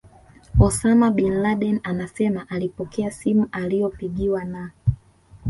Osama Bin Laden anasema alipokea simu aliyopigiwa na